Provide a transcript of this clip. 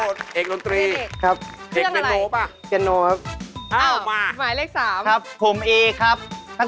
ชื่อหนึ่งครับหนึ่งครับ